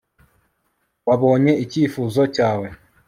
wabonye icyifuzo cyawe